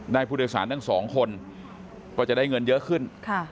ผู้โดยสารทั้งสองคนก็จะได้เงินเยอะขึ้น